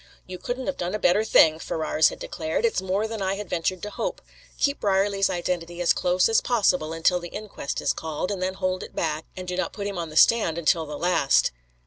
"You couldn't have done a better thing," Ferrars had declared. "It's more than I had ventured to hope. Keep Brierly's identity as close as possible until the inquest is called, and then hold it back, and do not put him on the stand until the last."